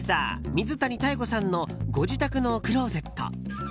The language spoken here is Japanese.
水谷妙子さんのご自宅のクローゼット。